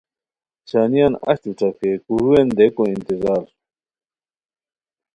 چھانیان اچتو ݯاکئے کورووین دئیکو انتظار